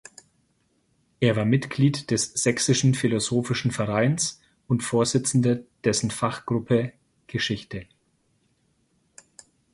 Er war Mitglied des Sächsischen Philosophischen Vereins und Vorsitzender dessen Fachgruppe Geschichte.